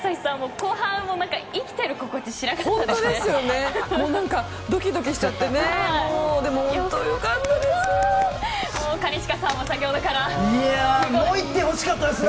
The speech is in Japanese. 後半も生きてる心地しなかったですね。